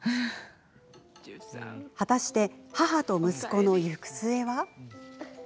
果たして母と息子の行く末は？